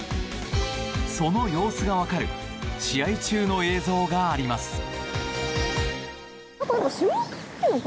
その様子が分かる試合中の映像があります。